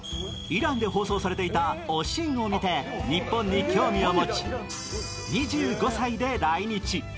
イランで放送されていた「おしん」を見て日本に興味を持ち、２５歳で来日。